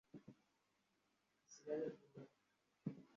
তবে অনেক ভোটারই এসবের বাইরে দেশের বিদ্যমান রাজনৈতিক পরিস্থিতি নিয়ে সজাগ।